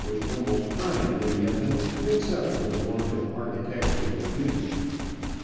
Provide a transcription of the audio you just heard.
43 wiiich almost hide many of them makes up for the want of architectural beauty.